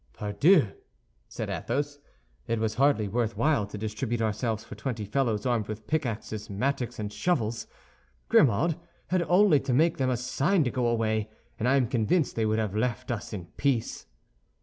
"Pardieu!" said Athos, "it was hardly worth while to distribute ourselves for twenty fellows armed with pickaxes, mattocks, and shovels. Grimaud had only to make them a sign to go away, and I am convinced they would have left us in peace."